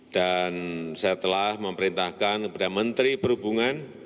dan saya telah memerintahkan kepada menteri berhubungan